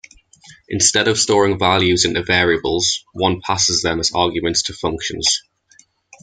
Instead of storing values into variables, one passes them as arguments to functions.